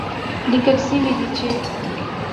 ليکل شوي دي چې